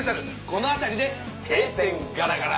この辺りで閉店ガラガラ！